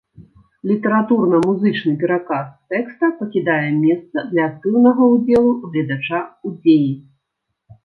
Літаратурна-музычны пераказ тэкста пакідае месца для актыўнага ўдзелу гледача ў дзеі.